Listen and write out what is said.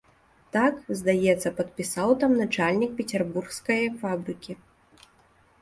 Так, здаецца, падпісаў там начальнік пецярбургскае фабрыкі.